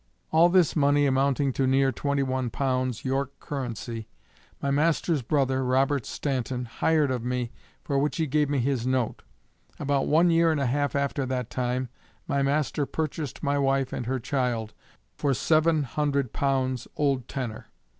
All this money amounting to near twenty one pounds York currency, my master's brother, Robert Stanton, hired of me, for which he gave me his note. About one year and a half after that time, my master purchased my wife and and her child, for severn hundred pounds old tenor.